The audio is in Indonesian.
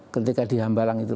ketika di hambalang itu